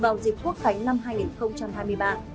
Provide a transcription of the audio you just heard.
vào dịp quốc khánh năm hai nghìn hai mươi ba